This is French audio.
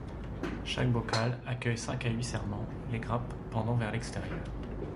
Chaque bocal accueille cinq à huit serments, les grappes pendant vers l'extérieur.